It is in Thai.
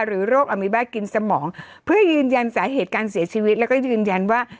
โรคอมิบ้ากินสมองเพื่อยืนยันสาเหตุการเสียชีวิตแล้วก็ยืนยันว่า